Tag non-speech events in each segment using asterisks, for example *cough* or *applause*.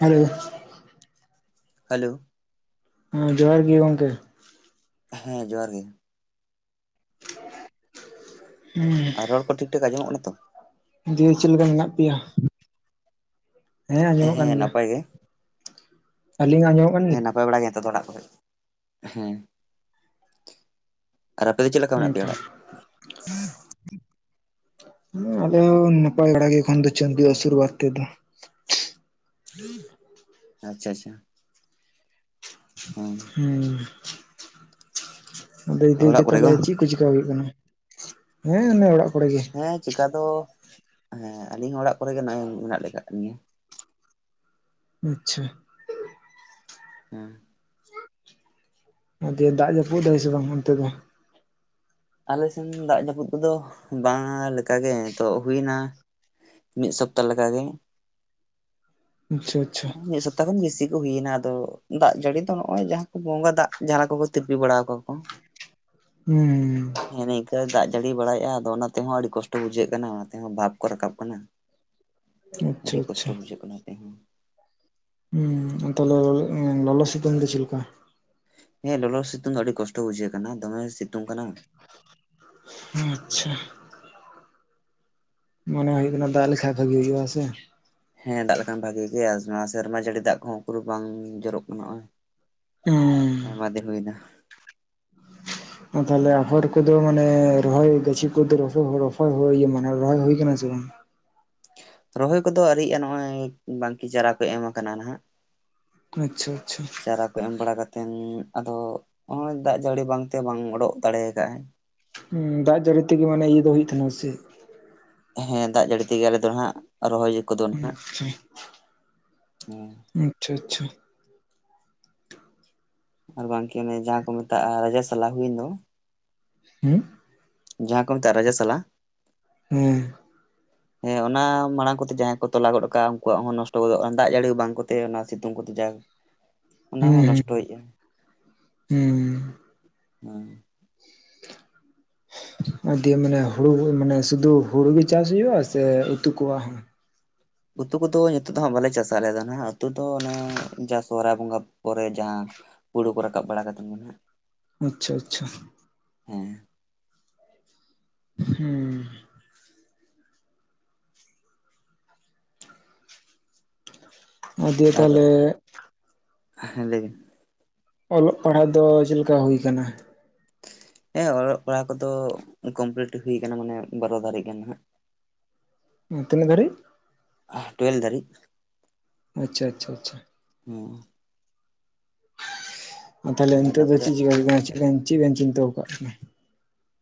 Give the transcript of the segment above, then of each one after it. Hello hello ᱦᱮᱸ ᱡᱚᱦᱟᱨ ᱜᱮ ᱜᱚᱝᱠᱮ ᱦᱮᱸ ᱡᱚᱦᱟᱨ ᱜᱮ ᱦᱮᱸ ᱟᱨ ᱨᱚᱲ ᱠᱚ ᱴᱷᱤᱠ ᱴᱷᱟᱠ ᱟᱸᱡᱚᱢᱚᱜ ᱠᱟᱱᱟ ᱛᱚ ᱫᱤᱭᱮ ᱪᱮᱫ ᱞᱮᱠᱟ ᱢᱮᱱᱟᱜ ᱯᱮᱭᱟ? ᱟᱸᱡᱚᱢᱚᱜ ᱦᱮᱸ ᱠᱟᱱ ᱜᱮᱭᱟ ᱱᱟᱯᱟᱭ ᱜᱮ ᱟᱹᱞᱤᱧᱟᱜ ᱟᱸᱡᱚᱢᱚᱜ ᱠᱟᱱ ᱜᱮᱭᱟ ᱦᱮᱸ ᱱᱟᱯᱟᱭ ᱵᱟᱲᱟ ᱜᱮ ᱱᱤᱛᱟᱜ ᱫᱚ ᱚᱲᱟᱜ ᱠᱚᱨᱮᱜ ᱦᱮᱸ ᱟᱨ ᱟᱯᱮ ᱫᱚ ᱪᱮᱫ ᱞᱮᱠᱟ ᱢᱮᱱᱟᱜ ᱯᱮᱭᱟ ᱦᱮᱸᱛᱚ ᱚᱲᱟᱜ? *inaudible* ᱟᱞᱮ ᱦᱚᱸ ᱱᱟᱯᱟᱭ ᱵᱟᱲᱟ ᱜᱮ ᱮᱠᱷᱚᱱ ᱫᱚ ᱪᱟᱸᱫᱩ ᱟᱥᱩᱨ ᱵᱟᱫ ᱛᱮᱫᱚ ᱟᱪᱪᱷᱟ ᱪᱷᱟ ᱦᱩᱸ ᱟᱫᱚ ᱚᱲᱟᱜ ᱫᱤᱠᱚ ᱠᱚᱨᱮ ᱜᱮ ᱛᱟᱦᱞᱮ ᱵᱟᱝ ᱪᱮᱫ ᱠᱚ ᱪᱮᱠᱟ ᱦᱩᱭᱩᱜ ᱠᱟᱱᱟ ᱦᱮᱸ ᱚᱱᱮ ᱚᱲᱟᱜ ᱠᱚᱨᱮ ᱜᱮ ᱦᱮᱸ ᱪᱮᱠᱟ ᱫᱚ ᱦᱮᱸ ᱟᱹᱞᱤᱧ ᱦᱚᱸ ᱚᱲᱟᱜ ᱠᱚᱨᱮ ᱜᱮ ᱱᱚᱜᱼᱚᱭ ᱢᱮᱱᱟᱜ ᱞᱮ ᱟᱠᱟᱫ ᱞᱤᱸᱧᱟ ᱟᱪᱪᱷᱟ ᱦᱮᱸ ᱟᱫᱚ ᱫᱟᱜ ᱡᱟᱹᱯᱩᱫ ᱫᱟᱭ ᱥᱮ ᱵᱟᱝ ᱚᱱᱛᱮ ᱫᱚ ᱟᱞᱮ ᱥᱮᱱ ᱫᱟᱜ ᱡᱟᱹᱯᱩᱫ ᱠᱚᱫᱚ ᱵᱟᱝᱟ ᱞᱮᱠᱟ ᱜᱮ ᱱᱤᱛᱚᱜ ᱦᱩᱭᱱᱟ ᱢᱤᱫ ᱥᱚᱯᱛᱟ ᱞᱮᱠᱟ ᱜᱮ ᱟᱪᱪᱷᱟ ᱟᱪᱪᱷᱟ *unintelligible* ᱡᱚᱛᱚ ᱠᱷᱚᱱ ᱵᱮᱥᱤ ᱠᱚ ᱦᱩᱭᱱᱟ ᱟᱫᱚ ᱫᱟᱜ ᱡᱟᱹᱲᱤ ᱫᱚ ᱱᱚᱜᱼᱚᱭ ᱡᱟᱦᱟᱸ ᱠᱚ ᱵᱚᱸᱜᱟ ᱫᱟᱜ ᱡᱟᱦᱟᱸ ᱠᱚ ᱛᱤᱨᱯᱤ ᱵᱟᱲᱟ ᱟᱠᱚ ᱠᱚ *inaudible* ᱦᱩᱸᱻ ᱦᱮᱸ ᱱᱤᱝᱠᱟᱹ ᱫᱟᱜ ᱡᱟᱹᱲᱤ ᱵᱟᱲᱟᱭᱮᱜᱼᱟ ᱟᱫᱚ ᱚᱱᱟ ᱛᱮᱦᱚᱸ ᱟᱹᱰᱤ ᱠᱚᱥᱴᱚ ᱵᱩᱡᱷᱟᱹᱜ ᱠᱟᱱᱟ ᱚᱱᱟ ᱛᱮᱦᱚᱸ ᱵᱷᱟᱵᱽ ᱠᱚ ᱨᱟᱠᱟᱵ ᱠᱟᱱᱟ᱾ ᱟᱪᱪᱷᱟ ᱟᱹᱰᱤ ᱠᱚᱥᱴᱚ ᱟᱪᱪᱷᱟ ᱵᱩᱡᱷᱟᱹᱜ ᱠᱟᱱᱟ ᱛᱮᱦᱚᱸ ᱦᱩᱸ ᱛᱟᱦᱚᱞᱮ ᱞᱚᱞᱚ ᱥᱤᱛᱩᱝ ᱫᱚ ᱪᱮᱫ ᱞᱮᱠᱟ? ᱦᱮᱸ ᱞᱚᱞᱚ ᱥᱤᱛᱩᱝ ᱫᱚ ᱟᱹᱰᱤ ᱠᱚᱥᱴᱚ ᱵᱩᱡᱷᱟᱹᱜ ᱠᱟᱱᱟ ᱫᱚᱢᱮ ᱥᱤᱛᱩᱝ ᱠᱟᱱᱟ ᱟᱪᱪᱷᱟ ᱢᱚᱱᱮ ᱦᱩᱭᱩᱜ ᱠᱟᱱᱟ ᱫᱟᱜ ᱞᱮᱠᱷᱟᱡ ᱵᱷᱟᱹᱜᱤ ᱦᱩᱭᱩᱜᱼᱟ ᱥᱮ ᱦᱮᱸ ᱫᱟᱜ ᱞᱮᱠᱷᱟᱱ ᱵᱷᱟᱹᱜᱤ ᱜᱮ ᱱᱚᱣᱟ ᱥᱮᱨᱢᱟ ᱡᱟᱹᱲᱤ ᱫᱟᱜ ᱠᱚᱦᱚᱸ ᱩᱠᱩᱨ ᱵᱟᱝ ᱡᱚᱨᱚᱜ ᱠᱟᱱᱟ ᱱᱚᱜᱼᱚᱭ ᱦᱩᱸ ᱟᱭᱢᱟ ᱫᱤᱱ ᱦᱩᱭ ᱱᱟ ᱦᱚᱸ ᱛᱟᱦᱚᱞᱮ ᱟᱯᱷᱚᱨ ᱠᱚᱫᱚ ᱢᱟᱱᱮ ᱨᱚᱦᱚᱭ ᱜᱟᱹᱪᱷᱤ ᱠᱚᱫᱚ *unintelligible* ᱢᱟᱱᱮ ᱨᱚᱦᱚᱭ ᱦᱩᱭ ᱠᱟᱱᱟ ᱥᱮ ᱵᱟᱝ ᱨᱚᱦᱚᱭ ᱠᱚᱫᱚ ᱟᱹᱣᱨᱤᱭᱟᱜᱼᱟ ᱱᱚᱜᱼᱚᱭ ᱵᱟᱝᱠᱤ ᱪᱟᱨᱟ ᱠᱚ ᱮᱢ ᱟᱠᱟᱱᱟ ᱱᱟᱦᱟᱜ ᱟᱪᱪᱷᱟ ᱪᱷᱟ ᱪᱟᱨᱟ ᱠᱚ ᱮᱢ ᱵᱟᱲᱟ ᱠᱟᱛᱮᱱ ᱟᱫᱚ ᱱᱚᱜᱼᱚᱭ ᱫᱟᱜ ᱡᱟᱹᱲᱤ ᱵᱟᱝ ᱛᱮ ᱵᱟᱝ ᱚᱰᱚᱜ ᱫᱟᱲᱮ ᱟᱠᱟᱜᱼᱟᱭ ᱦᱩᱸ ᱫᱟᱜ ᱡᱟᱹᱲᱤ ᱛᱮᱜᱮ ᱢᱟᱱᱮ ᱤᱭᱟᱹ ᱫᱚ ᱦᱩᱭᱩᱜ ᱛᱟᱦᱮᱱᱟ ᱥᱮ ᱪᱮᱫ? ᱦᱮᱸ ᱫᱟᱜ ᱡᱟᱹᱲᱤ ᱛᱮᱜᱮ ᱟᱞᱮ ᱫᱚ ᱱᱟᱦᱟᱸᱜ ᱨᱚᱦᱚᱭ ᱠᱚᱫᱚ ᱱᱟᱦᱟᱸᱜ, ᱟᱪᱪᱷᱟ ᱟᱪᱪᱷᱟ ᱟᱪᱪᱷᱟ ᱟᱨ ᱵᱟᱝᱠᱮ ᱚᱱᱮ ᱡᱟᱦᱟᱸ ᱠᱚ ᱢᱮᱛᱟᱜ-ᱟ ᱨᱟᱡᱟ ᱥᱟᱞᱟ ᱦᱩᱭ ᱮᱱ ᱫᱚ, ᱦᱩᱸ ᱡᱟᱦᱟᱸ ᱠᱚ ᱢᱮᱛᱟᱜ-ᱟ ᱨᱟᱡᱟ ᱥᱟᱞᱟ ᱦᱮᱸ *inaudible* ᱦᱮᱸ ᱚᱱᱟ ᱢᱟᱲᱟᱝ ᱠᱚᱛᱮ ᱡᱟᱦᱟᱸᱭ ᱠᱚ ᱛᱚᱞᱟ ᱜᱚᱫ ᱠᱟᱜᱼᱟ ᱩᱱᱠᱩᱣᱟᱜ ᱦᱚᱸ ᱱᱚᱥᱴᱚ ᱜᱚᱫᱜᱼᱟ ᱡᱟᱹᱲᱤ ᱵᱟᱝ ᱠᱚᱛᱮ ᱚᱱᱟ ᱥᱤᱛᱩᱝ ᱠᱚᱛᱮ ᱡᱟ ᱚᱱᱟ ᱦᱚᱸ ᱦᱩᱸ ᱱᱚᱥᱴᱚᱭᱮᱜᱼᱟ, ᱦᱩᱸ ᱦᱩᱸ᱾ *inaudible* ᱟᱨ ᱫᱤᱭᱮ ᱢᱮᱱᱟ ᱦᱩᱲᱩ ᱢᱮᱱᱟ ᱥᱩᱫᱩ ᱦᱩᱲᱩ ᱜᱮ ᱪᱟᱥ ᱦᱩᱭᱩᱜᱼᱟ ᱥᱮ ᱩᱛᱩ ᱠᱚᱣᱟᱜ ᱦᱚᱸ? ᱩᱛᱩ ᱠᱚᱫᱚ ᱱᱤᱛᱳ ᱫᱚ ᱦᱟᱸᱜ ᱵᱟᱞᱮ ᱪᱟᱥᱼᱟ ᱟᱞᱮ ᱫᱚ ᱱᱟᱟᱜ ᱩᱛᱩ ᱫᱚ ᱚᱱᱮ ᱡᱟ ᱥᱚᱦᱨᱟᱭ ᱵᱚᱸᱜᱟ᱾ ᱠᱚᱨᱮ ᱡᱟᱦᱟᱸ ᱦᱩᱲᱩ ᱠᱚ ᱨᱟᱠᱟᱵ ᱵᱟᱲᱟ ᱠᱟᱛᱮᱫ ᱜᱮ ᱱᱟᱜ ᱟᱪᱪᱷᱟ ᱟᱪᱪᱷᱟ᱾ ᱦᱮᱸ᱾ ᱦᱩᱸ᱾ ᱟ ᱫᱤᱭᱮ ᱛᱟᱦᱚᱞᱮ ᱦᱮᱸ ᱞᱟᱹᱭ ᱵᱤᱱ᱾ ᱚᱞᱚᱜ ᱯᱟᱲᱦᱟᱜ ᱫᱚ ᱪᱮᱫ ᱞᱮᱠᱟ ᱦᱩᱭ ᱟᱠᱟᱱᱟ? ᱦᱮᱸ ᱚᱞᱚᱜ ᱯᱟᱲᱦᱟᱜ ᱠᱚᱫᱚ ᱠᱚᱢᱯᱞᱤᱴ ᱦᱩᱭᱩ ᱟᱠᱟᱱᱟ ᱢᱟᱱᱮ ᱵᱟᱨᱚ ᱫᱷᱟᱹᱨᱤᱡ ᱜᱟᱱ ᱦᱜ᱾ ᱛᱤᱱᱟᱹᱜ ᱫᱷᱟᱹᱨᱤᱡ? ᱟ ᱴᱩᱭᱮᱞᱵᱷ ᱫᱷᱟᱹᱨᱤᱡ᱾ ᱟᱪᱪᱷᱟ ᱟᱪᱪᱷᱟ ᱟᱪᱪᱷᱟ᱾ ᱦᱩᱸ᱾ ᱟᱫᱚ ᱛᱟᱦᱚᱞᱮ ᱤᱱᱟᱹ ᱱᱤᱛᱚᱜ ᱫᱚ ᱯᱚᱨᱮ ᱪᱮᱫ ᱪᱤᱠᱟᱹ ᱪᱮᱫᱵᱮᱱ ᱪᱤᱱᱛᱟᱹᱣ ᱠᱟᱜ ᱛᱟᱦᱮᱱᱟ?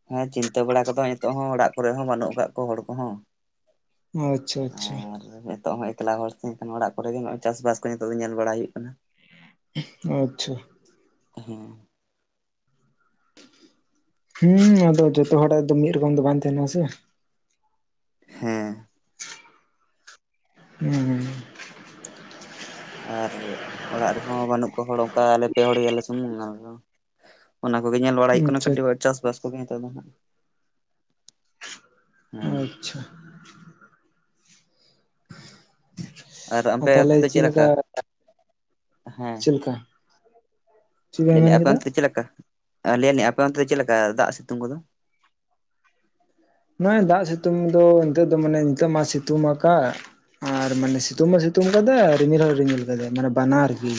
ᱦᱮᱸ ᱪᱤᱱᱛᱟᱹ ᱵᱟᱲᱟ ᱠᱚᱫᱚ ᱱᱤᱛᱚᱜ ᱦᱚᱸ ᱚᱲᱟᱜ ᱠᱚᱨᱮ ᱦᱚᱸ ᱵᱟᱹᱱᱩᱜ ᱟᱠᱟᱫ ᱠᱚᱣᱟ ᱦᱚᱲ ᱠᱚᱦᱚᱸ᱾ ᱟᱪᱪᱷᱟ ᱟᱪᱪᱷᱟ ᱟᱨ ᱱᱤᱛᱚᱜ ᱦᱚᱸ ᱮᱠᱞᱟ ᱦᱚᱲ ᱮᱱᱠᱷᱟᱱ ᱚᱲᱟᱜ ᱠᱚᱨᱮ ᱜᱮ ᱱᱚᱭ ᱪᱟᱥᱵᱟᱥ ᱠᱚ ᱱᱤᱛᱚᱜ ᱫᱚ ᱧᱮᱞ ᱵᱟᱲᱟᱭ ᱦᱩᱭᱩᱜ ᱠᱟᱱᱟ᱾ *unintelligible* ᱟᱪᱪᱷᱟ᱾ ᱦᱮᱸ᱾ ᱦᱩᱸ ᱟᱫᱚ ᱡᱷᱚᱛᱚ ᱦᱚᱲᱟᱜ ᱫᱚ ᱢᱤᱫ ᱨᱚᱠᱚᱢ ᱫᱚ ᱵᱟᱝ ᱛᱟᱦᱮᱱᱟ ᱥᱮ᱾ ᱦᱮᱸ᱾ *unintelligible* ᱟᱨ ᱚᱲᱟᱜ ᱨᱮᱦᱚᱸ ᱵᱟᱹᱱᱩᱜ ᱠᱚᱣᱟ ᱦᱚᱲ ᱚᱱᱠᱟ ᱟᱞᱮ ᱯᱮ ᱦᱚᱲ ᱜᱮᱭᱟᱞᱮ ᱥᱩᱢᱩᱝ ᱟᱫᱚ ᱚᱱᱟ ᱠᱚᱜᱮ ᱧᱮᱞ ᱵᱟᱲᱟᱭ ᱦᱩᱭᱩᱜ ᱠᱟᱱᱟ ᱟᱪᱪᱷᱟ ᱠᱟᱹᱴᱤᱡ ᱪᱟᱥᱼᱵᱟᱥ ᱠᱚᱜᱮ ᱱᱮᱛᱟᱨ ᱫᱚ ᱦᱟᱸᱜ᱾ ᱦᱮᱸ ᱟᱪᱪᱷᱟ᱾ ᱟᱨ ᱟᱯᱮ ᱛᱟᱦᱞᱮ ᱚᱱᱛᱮ ᱫᱚ ᱪᱮᱫ ᱞᱮᱠᱟ ᱦᱮᱸ *inaudible* ᱪᱮᱫ ᱞᱮᱠᱟ? ᱪᱮᱫ ᱞᱟᱹᱭ ᱵᱮᱱ ᱟᱸᱧ ᱢᱮᱱ ᱟᱯᱮ ᱠᱮᱫᱟ ᱚᱱᱛᱮ ᱫᱚ ᱪᱮᱫ ᱞᱮᱠᱟ ᱞᱟᱹᱭ ᱟᱞᱤᱧ ᱟᱯᱮ ᱚᱱᱛᱮ ᱫᱚ ᱪᱮᱫ ᱞᱮᱠᱟ ᱫᱟᱜ ᱥᱤᱛᱩᱝ ᱠᱚᱫᱚ? ᱱᱚᱜᱼᱚᱭ ᱫᱟᱜ ᱥᱤᱛᱩᱝ ᱫᱚ ᱱᱤᱛᱚᱜ ᱫᱚ ᱢᱟᱱᱮ ᱱᱤᱛᱚᱜ ᱢᱟ ᱥᱤᱛᱩᱝ ᱟᱠᱟᱫ᱾ ᱟᱨ ᱢᱟᱱᱮ ᱥᱤᱛᱩᱝ ᱦᱚᱸ ᱥᱤᱛᱩᱝ ᱟᱠᱟᱫᱟᱭ ᱟᱨ ᱨᱤᱢᱤᱞ ᱦᱚᱸᱭ ᱨᱤᱢᱤᱞ ᱟᱠᱟᱫᱟᱭ ᱢᱟᱱᱮ ᱵᱟᱱᱟᱨ ᱜᱮ᱾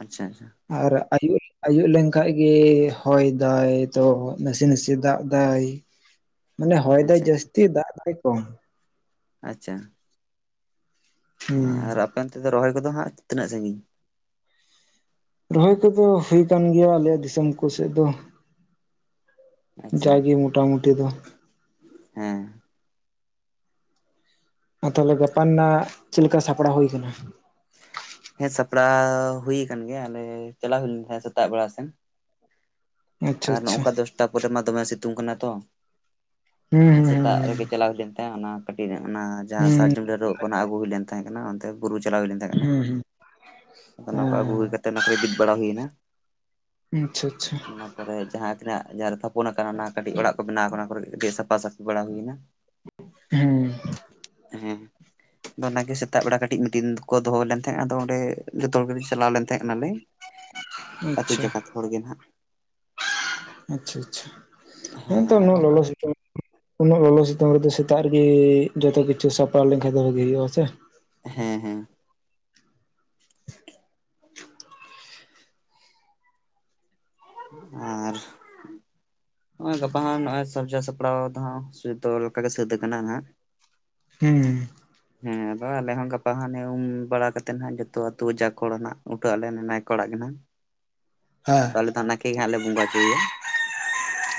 ᱟᱪᱪᱷᱟ ᱟᱪᱪᱷᱟ᱾ ᱟᱨ ᱟᱭᱩᱵ ᱟᱭᱩᱵ ᱞᱮᱱ ᱠᱷᱟᱱ ᱜᱮᱤ ᱦᱚᱭ ᱫᱟᱭ ᱛᱚ ᱱᱟᱥᱮ ᱱᱟᱥᱮ ᱫᱟᱜ ᱫᱟᱭ᱾ *inaudible* ᱢᱟᱱᱮ ᱦᱚᱭ ᱫᱟᱭ ᱟᱪᱪᱷᱟ ᱟᱪᱪᱷᱟ ᱡᱟᱹᱥᱛᱤ ᱫᱟᱜ ᱫᱟᱭ ᱠᱚᱢ᱾ ᱟᱪᱪᱷᱟ᱾ ᱦᱩᱸ *unintelligible* ᱟᱨ ᱟᱯᱮ ᱚᱱᱛᱮ ᱫᱚ ᱨᱚᱦᱚᱭ ᱠᱚᱫᱚ ᱦᱟᱸᱜ ᱛᱤᱱᱟᱹᱜ ᱥᱟᱺᱜᱤᱧ? ᱨᱚᱦᱚᱭ ᱠᱚᱫᱚ ᱦᱩᱭ ᱟᱠᱟᱱ ᱜᱮᱭᱟ ᱟᱞᱮᱭᱟᱜ ᱫᱤᱥᱚᱢ ᱠᱚ ᱥᱮᱫ ᱫᱚ᱾ ᱟᱪᱪᱷᱟ ᱡᱟᱜᱮ ᱢᱚᱴᱟᱢᱩᱴᱤ ᱫᱚ᱾ ᱦᱮᱸ᱾ ᱦᱮᱸ ᱛᱟᱦᱚᱞᱮ ᱜᱟᱯᱟ ᱨᱮᱱᱟᱜ ᱪᱮᱫ ᱞᱮᱠᱟ ᱥᱟᱯᱲᱟᱣ ᱦᱩᱭ ᱟᱠᱟᱱᱟ? ᱦᱮᱸ ᱥᱟᱯᱲᱟᱣ ᱦᱩᱭ ᱟᱠᱟᱱ ᱜᱮᱭᱟ ᱟᱞᱮ ᱪᱟᱞᱟᱣ ᱦᱩᱭ ᱞᱮᱱᱟ ᱛᱟᱦᱮᱸ ᱥᱮᱛᱟᱜ ᱵᱮᱲᱟ ᱥᱮᱱ᱾ ᱟᱪᱪᱷᱟ ᱟᱨ ᱟᱪᱪᱷᱟ ᱱᱚᱝᱠᱟ ᱫᱚᱥᱴᱟ ᱯᱚᱨᱮ ᱢᱟ ᱫᱚᱢᱮ ᱥᱤᱛᱩᱝ ᱠᱟᱱᱟ ᱛᱚ᱾ ᱦᱩᱸ ᱥᱮᱛᱟᱜ ᱦᱩᱸ ᱨᱮᱜᱮ ᱪᱟᱞᱟᱣ ᱦᱩᱭ ᱞᱮᱮᱱ ᱛᱟᱦᱮᱸ ᱚᱱᱟ ᱠᱟᱹᱴᱤᱡ ᱚᱱᱟ ᱡᱟᱦᱟᱸ ᱦᱩᱸ ᱥᱟᱨᱡᱚᱢ ᱰᱟᱹᱨᱭᱟᱜ ᱚᱱᱟ ᱟᱹᱜᱩ ᱦᱩᱭ ᱞᱮᱱ ᱛᱟᱦᱮᱸ ᱠᱟᱱᱟ ᱚᱱᱛᱮ ᱵᱩᱨᱩ ᱪᱟᱞᱟᱣ ᱦᱩᱭ ᱞᱮᱱ ᱛᱟᱦᱮᱸ ᱠᱟᱱᱟ ᱾ ᱦᱩᱸ ᱚᱱᱟ ᱠᱚ ᱟᱹᱜᱩ ᱦᱩᱭ ᱠᱟᱛᱮᱮᱫ ᱚᱱᱟ ᱠᱚᱨᱮ ᱵᱤᱫ ᱵᱟᱲᱟ ᱦᱩᱭᱱᱟ᱾ ᱦᱩᱸ ᱟᱪᱪᱷᱟ ᱟᱪᱪᱷᱟ᱾ ᱚᱱᱟ ᱠᱚᱨᱮ ᱡᱟᱦᱟᱸ ᱛᱤᱱᱟᱹ ᱡᱟᱦᱟᱸᱨᱮ ᱛᱷᱟᱯᱚᱱ ᱟᱠᱟᱱᱟ ᱚᱱᱟ ᱠᱟᱹᱴᱤᱡ ᱚᱲᱟᱜ ᱠᱚ ᱵᱮᱱᱟᱣ ᱟᱠᱟᱱᱟ, ᱚᱱᱟ ᱠᱚᱨᱮ ᱠᱟᱹᱴᱤᱡ ᱥᱟᱯᱷᱟ ᱥᱟᱹᱯᱷᱤ ᱵᱟᱲᱟ ᱦᱩᱭᱱᱟ᱾ ᱦᱮᱸ ᱦᱮᱸ ᱟᱫᱚ ᱚᱱᱟᱜᱮ ᱥᱮ ᱛᱟᱜ ᱵᱮᱲᱟ ᱠᱟᱹᱴᱤᱡ ᱢᱤᱴᱤᱱ ᱠᱚ ᱫᱚᱦᱚ ᱞᱮᱱ ᱛᱟᱦᱮᱸᱜ ᱟᱫᱚ ᱚᱸᱰᱮ ᱡᱚᱛᱚ ᱦᱚᱲ ᱜᱮᱞᱮ ᱪᱟᱞᱟᱣ ᱞᱮᱱ ᱛᱟᱦᱮᱸ ᱠᱟᱱᱟᱞᱮ ᱟᱹᱛᱩ ᱟᱪᱪᱷᱟ ᱡᱟᱠᱟᱛ ᱦᱚᱲ ᱜᱮ ᱱᱟᱦᱟᱜ ᱟᱪᱪᱷᱟ ᱟᱪᱪᱷᱟ ᱦᱮᱸ ᱛᱚ ᱟᱨᱚ ᱱᱚᱣᱟ ᱚᱱᱠᱟ ᱞᱚᱞᱚ ᱥᱤᱛᱩᱝ ᱩᱱᱟᱹᱜ ᱞᱚᱞᱚ ᱥᱤᱛᱩᱝ ᱨᱮᱫᱚ ᱥᱮᱛᱟᱜ ᱨᱮᱜᱮ ᱡᱚᱛᱚ ᱠᱤᱪᱷᱩ ᱥᱟᱯᱟᱣ ᱞᱮᱱᱠᱷᱟᱱ ᱫᱚ ᱵᱷᱟᱜᱤ ᱦᱩᱭᱩᱜᱼᱟ ᱥᱮ ᱦᱮᱸ ᱦᱮᱸ ᱟᱨ ᱱᱚᱜᱼᱚᱭ ᱜᱟᱯᱟ ᱦᱟᱜ ᱥᱟᱡᱟ ᱥᱟᱯᱲᱟᱣ ᱫᱚ ᱦᱟᱸᱜ ᱡᱚᱛᱚ ᱞᱮᱠᱟ ᱜᱮ ᱥᱟᱹᱛ ᱟᱠᱟᱱᱟ ᱱᱟᱸᱜ ᱦᱩᱸ ᱦᱮᱸ ᱟᱫᱚ ᱟᱞᱮ ᱦᱚᱸ ᱜᱟᱯᱟ ᱦᱟᱱᱮ ᱩᱢ ᱵᱟᱲᱟ ᱠᱟᱛᱮᱫ ᱦᱟᱜ ᱡᱚᱛᱚ ᱟᱹᱛᱩ ᱡᱟᱠ ᱦᱚᱲ ᱱᱟᱦᱟᱜ ᱩᱴᱟᱹᱜ ᱟᱞᱮ ᱱᱟᱭᱠᱮ ᱚᱲᱟᱜ ᱜᱮ ᱱᱟᱜ ᱦᱮᱸ ᱟᱞᱮ ᱫᱚ ᱱᱟᱭᱠᱮ ᱜᱮ ᱦᱟᱸᱜ ᱞᱮ ᱵᱚᱸᱜᱟ ᱦᱚᱪᱚᱭᱮᱭᱟ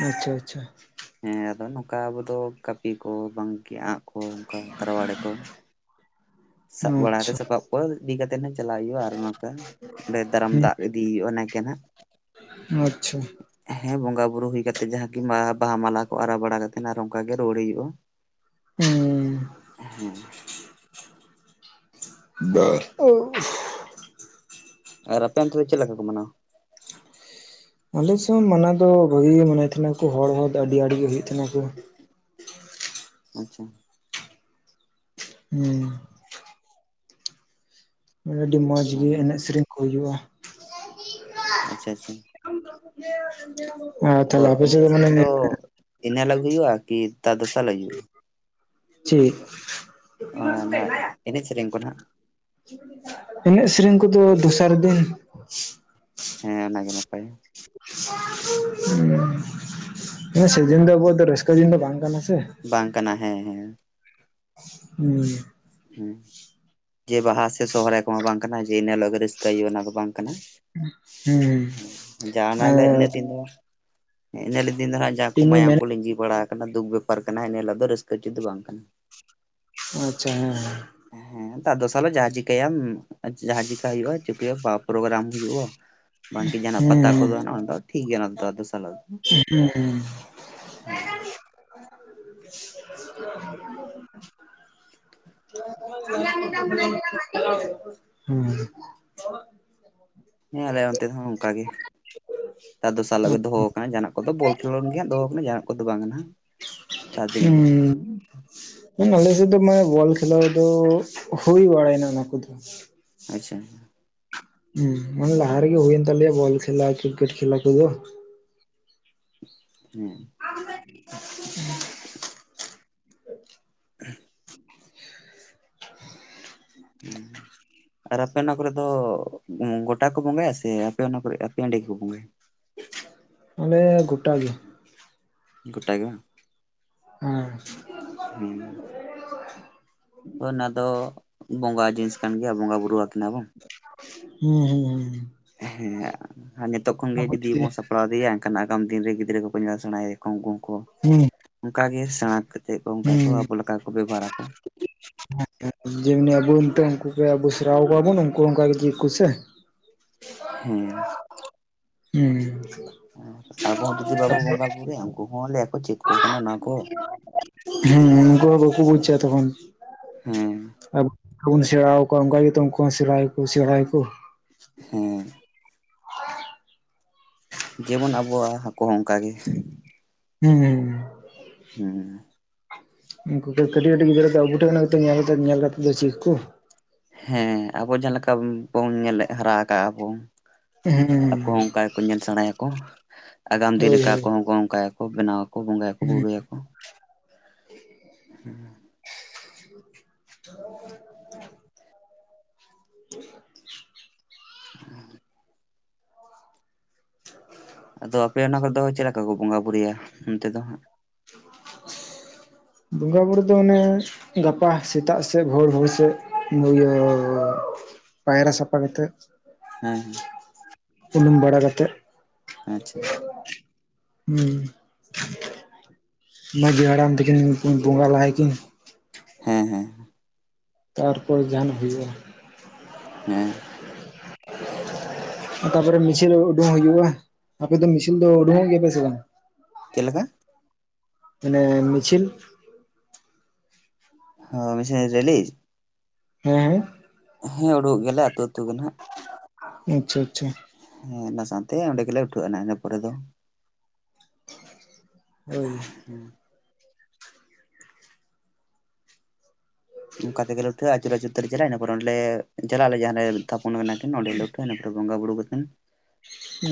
ᱟᱪᱪᱷᱟ ᱟᱪᱪᱷᱟ ᱦᱮᱸ ᱟᱫᱚ ᱱᱚᱝᱠᱟ ᱟᱵᱚ ᱫᱚ ᱠᱟᱹᱯᱤ ᱠᱚ ᱵᱟᱝᱠᱤ ᱟᱸᱜ ᱠᱚ ᱚᱱᱠᱟ ᱛᱟᱨᱣᱟᱲᱤ ᱠᱚ ᱥᱟᱵ ᱵᱟᱲᱟ ᱛᱮ ᱟᱪᱪᱷᱟ ᱥᱟᱯᱟᱵ ᱠᱚ ᱤᱫᱤ ᱠᱟᱛᱮ ᱱᱟᱜ ᱪᱟᱞᱟᱜ ᱦᱩᱭᱩᱜᱼᱟ ᱟᱨ ᱱᱚᱝ ᱠᱟ ᱚᱸᱰᱮ ᱫᱟᱨᱟᱢ ᱦᱩᱸ ᱫᱟᱜ ᱤᱫᱤᱭ ᱦᱩᱭᱩᱜᱼᱟ ᱱᱟᱭᱠᱮ ᱱᱟᱜ ᱟᱪᱪᱷᱟ ᱦᱮᱸ ᱵᱚᱸᱜᱟ ᱵᱩᱨᱩ ᱦᱩᱭ ᱠᱟᱛᱮᱜ ᱡᱟᱦᱟᱸ ᱠᱤᱱ ᱵᱟᱦᱟ ᱢᱟᱞᱟ ᱠᱚ ᱟᱨᱟ ᱵᱟᱲᱟ ᱠᱟᱛᱮᱫ ᱟᱨ ᱚᱱᱠᱟ ᱜᱮ ᱨᱩᱣᱟᱹᱲ ᱦᱩᱭᱩᱜᱼᱟ ᱦᱩᱸ *inaudible* ᱦᱮᱸ *inaudible* ᱟᱨ ᱟᱯᱮ ᱚᱱᱛᱮ ᱫᱚ ᱪᱮᱫ ᱞᱮᱠᱟ ᱠᱚ ᱢᱟᱱᱟᱣᱟ ᱟᱞᱮ ᱥᱮᱱ ᱢᱟᱱᱟᱣ ᱫᱚ ᱵᱷᱟᱜᱤ ᱜᱮ ᱢᱟᱱᱟᱣ ᱛᱟᱦᱮᱱᱟᱠᱚ ᱦᱚᱲ ᱦᱚᱸ ᱫᱚ ᱟᱹᱰᱤ ᱟᱹᱰᱤ ᱜᱮ ᱦᱩᱭᱩᱜ ᱛᱟᱦᱮᱱᱟᱠᱚ *inaudible* ᱟᱪᱪᱷᱟ ᱦᱩᱸ ᱦᱮᱸ ᱟᱹᱰᱤ ᱢᱚᱸᱡᱽ ᱜᱮ ᱦᱮᱸ ᱮᱱᱮᱡ ᱥᱮᱨᱤᱧ ᱠᱚ ᱦᱩᱭᱩᱜᱼᱟ ᱟᱪᱪᱷᱟ ᱟᱪᱪᱷᱟ *inaudible* ᱟᱨ ᱛᱟᱦᱞᱮ ᱚᱯᱮ ᱥᱮ ᱫᱚ ᱢᱟᱱᱮ *unintelligible* ᱤᱱᱟᱹ ᱦᱤᱞᱟᱹᱜ ᱜᱮ ᱦᱩᱭᱩᱜᱼᱟ ᱠᱤ ᱛᱟᱨ ᱫᱚᱥᱟᱨ ᱦᱤᱞᱟᱹᱜ ᱦᱩᱭᱩᱜᱼᱟ ᱪᱤᱜ ᱚᱱᱟ *inaudible* ᱮᱱᱮᱡ ᱥᱮᱨᱮᱧ ᱠᱚ ᱱᱟᱦᱟᱜ ᱮᱱᱮᱡ ᱥᱮᱨᱮᱧ ᱠᱚᱫᱚ ᱫᱚᱥᱟᱨ ᱫᱤᱱ ᱦᱮᱸ ᱚᱱᱟᱜᱮ ᱱᱟᱯᱟᱭᱟ᱾ *inaudible* ᱦᱮᱸ ᱥᱮᱫᱤᱱ ᱫᱚ ᱟᱵᱚ ᱟᱜ ᱫᱚ ᱨᱟᱹᱥᱠᱟᱹ ᱫᱤᱱ ᱫᱚ ᱵᱟᱝ ᱠᱟᱱᱟ ᱥᱮ ᱵᱟᱝ ᱠᱟᱱᱟ ᱦᱮᱸ ᱦᱮᱸ ᱦᱩᱸ ᱦᱩᱸ ᱡᱮ ᱵᱟᱦᱟ ᱥᱮ ᱥᱚᱦᱚᱨᱟᱭ ᱠᱚᱦᱚ ᱵᱟᱝ ᱠᱟᱱᱟ ᱡᱮ ᱤᱱᱟ ᱦᱤᱞᱟᱹᱜ ᱜᱮ ᱨᱟᱹᱥᱠᱟᱹᱭ ᱦᱩᱭᱩᱜᱼᱟ ᱚᱱᱟ ᱫᱚ ᱵᱟᱝ ᱠᱟᱱᱟ *inaudible* ᱦᱩᱸ ᱦᱩᱸ ᱡᱟᱸᱦᱟᱱᱟᱜ ᱞᱟᱹᱜ ᱤᱱᱟ ᱛᱮ ᱫᱚ ᱵᱟᱝ ᱮ ᱤᱱᱟᱹᱦᱤᱞᱟᱹᱜ ᱫᱤᱱ ᱫᱚ ᱦᱟᱸᱜ ᱡᱟᱦᱟᱸ ᱠᱚ ᱤᱧᱤᱧ ᱢᱟᱭᱟᱢ ᱢᱮᱱ ᱠᱚ ᱞᱤᱸᱡᱤ ᱵᱟᱲᱟ ᱠᱟᱱᱟ ᱫᱩᱠ ᱵᱮᱯᱟᱨ ᱠᱟᱱᱟ ᱤᱱᱟᱹᱦᱤᱞᱳᱜ ᱫᱚ ᱨᱟᱹᱥᱠᱟᱹ ᱩᱪᱤᱛ ᱫᱚ ᱵᱟᱝ ᱠᱟᱱᱟ ᱟᱪᱪᱷᱟ ᱦᱮᱸ ᱦᱮᱸ ᱦᱮᱸ ᱛᱟᱨ ᱫᱥᱟᱨ ᱦᱤᱞᱳᱜ ᱡᱟᱦᱟᱸ ᱪᱤᱠᱟᱹᱭᱟᱢ ᱡᱟᱦᱟᱸ ᱪᱤᱠᱟ ᱦᱩᱭᱩᱜ-ᱟ ᱪᱤᱠᱟᱹ ᱯᱨᱳᱜᱨᱟᱢ ᱦᱩᱭᱩᱜᱼᱟ ᱵᱟᱝᱠᱤ ᱡᱟᱦᱟᱸᱱᱟᱜ ᱯᱟᱛᱟ ᱦᱮᱸ ᱠᱚᱫᱚ ᱚᱱᱟ ᱫᱚ ᱴᱷᱤᱠ ᱜᱮᱭᱟ ᱚᱱᱟ ᱫᱚ ᱛᱟᱨ ᱫᱚᱥᱟᱨ ᱦᱤᱞᱟᱹᱜ ᱫᱚ, ᱦᱮᱸ ᱦᱮᱸ ᱦᱮᱸ *inaudible* *inaudible* ᱦᱩᱸ ᱦᱮᱸ ᱟᱞᱮ ᱚᱱᱛᱮ ᱫᱚ ᱦᱚᱸ ᱚᱱᱠᱟ ᱜᱮ ᱛᱟᱨ ᱫᱚᱥᱟᱨ ᱦᱤᱞᱳᱜ ᱜᱮ ᱫᱚᱦᱚ ᱠᱟᱱᱟ ᱡᱟᱦᱟᱱᱟᱜ ᱚ ᱫᱚ ᱵᱚᱞ ᱠᱷᱮᱞᱳᱸᱰ ᱜᱮ ᱫᱚᱦᱚ ᱠᱟᱱᱟ ᱡᱟᱦᱟᱸᱱᱟᱜ ᱠᱚᱫᱚ ᱵᱟᱝ ᱦᱟᱱᱟᱜ ᱦᱩᱸ ᱟᱞᱮ ᱥᱮᱫ ᱫᱚ ᱢᱟᱱᱮ ᱵᱚᱞ ᱠᱷᱮᱞᱟᱣ ᱫᱚ ᱦᱩᱭ ᱵᱟᱲᱟᱭᱱᱟ ᱚᱱᱟ ᱠᱚᱫᱚ ᱟᱪᱪᱷᱟ ᱦᱩᱸ ᱚᱱᱮ ᱞᱟᱦᱟ ᱨᱤᱜᱮ ᱦᱩᱭᱳᱮᱱ ᱛᱟᱞᱮᱭᱟ ᱵᱚᱞ ᱠᱷᱮᱞᱟ ᱠᱨᱤᱠᱮᱴ ᱠᱷᱮᱞᱟ ᱠᱚ ᱫᱚ ᱦᱸ *inaudible* *inaudible* ᱦᱩᱸ ᱟᱨ ᱟᱯᱮ ᱚᱱᱟ ᱠᱚᱨᱮ ᱫᱚ ᱜᱚᱴᱟ ᱠᱚ ᱵᱚᱸᱜᱟᱭᱟ ᱥᱮ ᱟᱯᱮ ᱚᱱᱟ ᱠᱚᱨᱮ ᱟᱯᱮ ᱮᱸᱰᱮ ᱜᱮᱠᱚ ᱵᱚᱸᱜᱟᱭᱟ ᱢᱚᱱᱮ ᱜᱚᱴᱟ ᱜᱮ ᱜᱚᱴᱟ ᱜᱮ ᱵᱟᱝ ᱦᱮᱸ ᱦᱮᱸ ᱚᱱᱟ ᱫᱚ ᱵᱚᱸᱜᱟ ᱡᱤᱱᱤᱥ ᱠᱟᱱ ᱜᱮᱭᱟ ᱵᱚᱸᱜᱟ ᱵᱩᱨᱩ ᱟᱠᱤ ᱵᱟᱝ ᱦᱮᱸ ᱦᱮᱸ ᱦᱮᱸ ᱦᱮᱸ ᱟᱨ ᱱᱤᱛᱚᱜ ᱠᱷᱚᱱᱜᱮ ᱡᱩᱫᱤ ᱵᱚᱱ ᱥᱟᱯᱲᱟᱣᱭᱟᱜ ᱭᱟ ᱮᱱᱠᱷᱟᱱ ᱟᱜᱟᱢ ᱫᱤᱱ ᱨᱮ ᱜᱤᱫᱽᱨᱟᱹ ᱠᱚᱠᱚ ᱧᱮᱞ ᱥᱮᱬᱟᱭᱟ ᱠᱚ ᱩᱱᱠᱩ ᱠᱚ ᱦᱩᱸ ᱚᱱᱠ ᱜᱮ ᱥᱮᱬᱟ ᱪᱮᱫ ᱠᱚ ᱚᱱᱠᱟ ᱠᱚ ᱟᱵᱚ ᱞᱮᱠᱟ ᱠᱚ ᱵᱮᱵᱚᱦᱟᱨᱟᱠᱚ ᱮ ᱡᱮᱢᱱᱤ ᱟᱵᱚ ᱱᱤᱛᱚᱜ ᱩᱱᱠᱩ ᱟᱵᱚ ᱥᱮᱨᱣᱟ ᱠᱚᱣᱟᱵᱚᱱ ᱩᱱᱠᱩ ᱚᱱᱠᱟᱜ ᱡᱮᱫ ᱠᱚᱥ ᱦᱮᱸ ᱦᱮᱸ ᱟᱵᱚ ᱦᱚᱸ ᱡᱩᱫᱤ ᱵᱟᱵᱚ ᱵᱚᱸᱜᱟ ᱵᱩᱨᱩᱭᱟ ᱩᱱᱠᱩ ᱦᱚᱸ ᱟᱞᱮᱭᱟ ᱠᱚ ᱪᱮᱫ ᱟᱠᱚ ᱠᱟᱱᱟ ᱚᱱᱟ ᱠᱚ ᱦᱮᱸ ᱩᱱᱠᱩ ᱦᱚᱸ ᱵᱟᱠᱚ ᱵᱩᱡ ᱛᱚᱠᱷᱚᱱ ᱦᱮᱸ ᱟᱵᱚ ᱵᱚᱱ ᱥᱮᱬᱟ ᱟᱠ ᱠᱚᱣᱟ ᱚᱱᱠᱟ ᱜᱮᱛᱚ ᱩᱱᱠᱩ ᱥᱮᱬᱟᱭ ᱠᱚ ᱥᱮᱬᱟᱭ ᱠᱚ ᱦᱮᱸ ᱡᱮᱢᱚᱱ ᱟᱵᱚᱣᱟᱜ ᱦᱟᱹᱠᱩ ᱦᱚᱸ ᱚᱱᱠᱟᱜᱮ ᱦᱩᱸ ᱦᱮᱸ ᱩᱱᱠᱩ ᱠᱟᱹᱴᱤᱡ ᱠᱟᱹᱴᱤᱡ ᱜᱤᱫᱽᱨᱟᱹ ᱫᱚ ᱟᱵᱩ ᱴᱷᱮᱱ ᱠᱟᱛᱮ ᱧᱮᱞ ᱠᱟᱛᱮᱫ ᱫᱚ ᱪᱮᱫ ᱠᱚ ᱦᱮᱸ ᱟᱵᱚ ᱡᱟᱦᱟᱸᱠᱟ ᱵᱚᱱ ᱧᱮᱞ ᱦᱟᱨᱟ ᱟᱠᱟᱜᱼᱟ ᱵᱚᱱ ᱦᱮᱸ ᱟᱠᱚ ᱦᱚᱸ ᱚᱱᱠᱟ ᱜᱮᱠᱚ ᱧᱮᱞ ᱥᱮᱬᱟᱭᱟᱠᱚ ᱟᱜᱟᱢ ᱫᱤᱱ ᱦᱳᱭ ᱞᱮᱠᱟ ᱦᱳᱭ ᱟᱠᱚ ᱦᱚᱸ ᱚᱱᱠᱟ ᱜᱮᱠᱚ ᱵᱮᱱᱟᱣᱟ ᱟᱠᱚ ᱵᱚᱸᱜᱟᱭᱟᱠᱚ ᱦᱩᱸ ᱵᱩᱨᱩᱭᱟᱠᱚ ᱦᱮᱸ ᱦ *unintelligible* ᱦ *inaudible* ᱟᱫᱚ ᱟᱯᱮ ᱚᱱᱟ ᱠᱚᱫᱚ ᱪᱮᱫ ᱞᱮᱠᱟ ᱠᱚ ᱵᱚᱸᱜᱟ ᱵᱩᱨᱩᱭᱟ ᱚᱱᱛᱮ ᱫᱚ ᱦᱟᱸᱜ ᱵᱚᱸᱜᱟ ᱵᱩᱨᱩ ᱫᱚ ᱚᱱᱮ ᱜᱟᱯᱟ ᱥᱮᱛᱟᱜ ᱥᱮᱫ ᱵᱷᱳᱨ ᱵᱷᱳᱨ ᱥᱮᱫ ᱤᱭᱟᱹ ᱯᱟᱭᱨᱟ ᱥᱟᱯᱟ ᱠᱟᱛᱮ ᱦᱮᱸ ᱦᱮᱸ ᱩᱱᱩᱢ ᱵᱟᱲᱟ ᱠᱟᱛᱮᱜ ᱦᱩᱸ ᱦᱮᱸ ᱢᱟᱺᱡᱷᱤ ᱦᱟᱲᱟᱢ ᱛᱟᱠᱤᱱ ᱵᱚᱸᱜᱟ ᱞᱟᱦᱟ ᱟᱠᱤ ᱦᱮᱸ ᱦᱮᱸ ᱛᱟᱨᱯᱚᱨᱮ ᱡᱟᱦᱱᱟᱜ ᱦᱩᱭᱩᱜᱼᱟ ᱦᱮᱸ ᱛᱟᱯᱚᱨᱮ ᱢᱤᱥᱤᱞ ᱩᱰᱩᱠᱚᱜ ᱦᱩᱭᱩᱜᱼᱟ ᱟᱯᱮ ᱫᱚ ᱢᱤᱥᱤᱞ ᱫᱚ ᱩᱰᱩᱠᱚᱜ ᱜᱮᱯ ᱥᱮ ᱵᱟᱝ ᱪᱮᱫ ᱞᱮᱠᱟ ᱢᱟᱱᱮ ᱢᱤᱪᱤᱞ ᱦᱚ ᱢᱤᱪᱤᱞ ᱨᱮᱞᱤ ᱦᱮᱸ ᱦᱮᱸ ᱦᱮᱸ ᱩᱰᱩᱠ ᱜᱮᱞᱮ ᱟᱹᱛᱩ ᱟᱹᱛᱩ ᱜᱮ ᱦᱟᱜ ᱟᱪᱪᱷᱟ ᱟᱪᱪᱷᱟ ᱦᱮᱸ ᱚᱱᱟ ᱥᱟᱶᱛᱮ ᱚᱸᱰᱮ ᱜᱮᱞᱮ ᱩᱴᱷᱟᱹᱜᱼᱟᱱᱟ ᱤᱱᱟᱹ ᱯᱚᱨᱮ ᱫᱚ *inaudible* ᱝᱠᱟ ᱛᱮᱜᱮ ᱞᱩᱴᱷᱟᱹᱼᱟ ᱟᱹᱪᱩᱨ ᱟᱹᱪᱩᱨ ᱛᱮᱞᱮ ᱪᱟᱞᱟ ᱟ ᱤᱱᱟ ᱯᱚᱨ ᱚᱸᱰᱞᱮ ᱡᱟᱞᱟᱜᱼᱟᱞᱮ ᱡᱟᱦᱟᱸ ᱞᱮ ᱛᱷᱟᱯᱚᱱ ᱠᱟᱱᱟ ᱠᱤᱱ ᱚᱸᱰᱮ ᱞᱩᱴᱼᱼ ᱤᱱᱟᱹ ᱯᱚᱨᱮ ᱵᱚᱸᱜᱟ ᱵᱩᱨᱩ ᱠᱟᱛᱮᱱ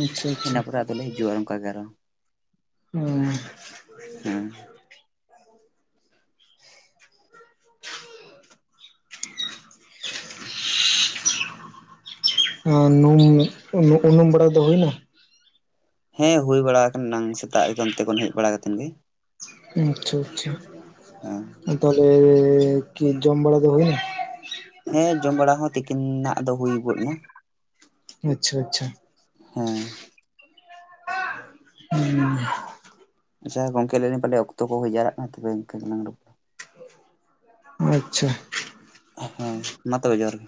ᱟᱪᱪᱷᱟ ᱟᱪᱪᱷᱟ ᱤᱱᱟᱹ ᱯᱚᱨᱮ ᱟᱫᱚᱞᱮ ᱦᱤᱡᱩᱜᱼᱟ ᱚᱱᱠᱟ ᱜᱮ ᱟᱨᱦᱚ᱾ *inaudible* ᱦᱮᱸ᱾ *inaudible* ᱟᱺ ᱱᱩᱢ, ᱩᱱᱩᱢ ᱵᱟᱲᱟ ᱫᱚ ᱦᱩᱭᱮᱱᱟ? ᱦᱮᱸ ᱦᱩᱭ ᱵᱟᱲᱟ ᱟᱠᱟᱱ ᱱᱟᱝ ᱥᱮᱛᱟᱜ ᱨᱮᱜᱮ ᱚᱱᱛᱮ ᱠᱷᱚᱱ ᱦᱮᱡ ᱵᱟᱲᱟ ᱠᱟᱛᱮᱫ ᱜᱮ᱾ ᱟᱪᱪᱷᱟ ᱟᱪᱪᱷᱟ, ᱦᱮᱸ ᱟ ᱛᱟᱦᱞᱮ ᱠᱤ ᱡᱚᱢ ᱵᱟᱲᱟ ᱫᱚ ᱦᱩᱭᱱᱟ? ᱦᱮᱸ ᱡᱚᱢ ᱵᱟᱲᱟ ᱦᱚᱸ ᱛᱤᱠᱤᱱᱱᱟᱜ ᱫᱚ ᱦᱩᱭ ᱜᱚᱫ ᱮᱱᱟ᱾ ᱟᱪᱪᱷᱟ ᱟᱪᱪᱷᱟ᱾ ᱦᱮᱸ *inaudible* ᱟᱪᱪᱷᱟ ᱜᱚᱝᱠᱮ ᱞᱟᱹᱭ ᱞᱤᱧ ᱯᱟᱞᱮ ᱚᱠᱛᱚ ᱠᱚ ᱦᱩᱭᱡᱟᱣᱨᱟᱜ ᱠᱟᱱᱟ ᱛᱚᱵᱮ ᱮᱱᱠᱟ ᱜᱮᱞᱟᱝ ᱨᱚᱯᱼᱼ ᱟᱪᱪᱷᱟ᱾ ᱦᱮᱸ, ᱢᱟ ᱛᱚᱵᱮ ᱡᱚᱦᱟᱨ ᱜᱮ᱾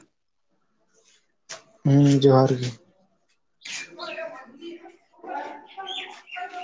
ᱦᱩᱸ ᱡᱚᱦᱟᱨ ᱜᱮ᱾